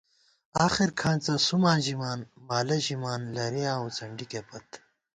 آخېر کھانڅہ سُماں ژِمان، مالہ ژِمان ، لَرِیاں وُڅَنڈِکےپت